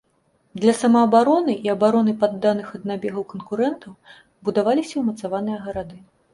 Для самаабароны і абароны падданых ад набегаў канкурэнтаў будаваліся умацаваныя гарады.